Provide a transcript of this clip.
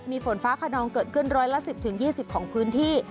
มีฝนฟ้าขนองเกิดขึ้นร้อยละ๑๐๒๐ของพื้นที่